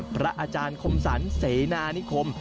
พระอาจารย์คมสรรเสนานิคม